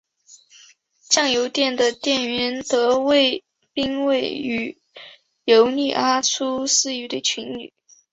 酱油店的店员德兵卫和游女阿初是一对情侣。